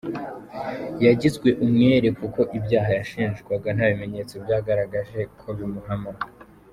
Yagizwe umwere kuko ibyaha yashinjwaga ntabimenyetso byagaragaje ko bimuhama.